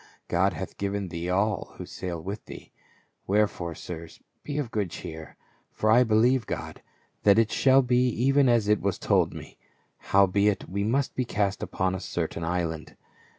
God hath given thee all who sail with thee ; wherefore, sirs, be of good cheer ; for I believe God, that it shall be even as it was told me. Howbeit, we must be cast upon a certain island."